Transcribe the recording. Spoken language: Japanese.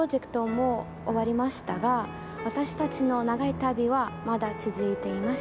もう終わりましたが私たちの長い旅はまだ続いています。